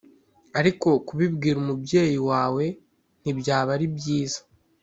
ariko kubibwira umubyeyi wawe ntibyaba ari byiza